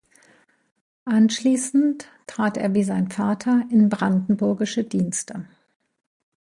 Anschließend trat er wie sein Vater in brandenburgische Dienste.